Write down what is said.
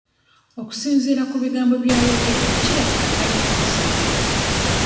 Okusinziira ku bigambo by'ayogedde kirabika talina musango.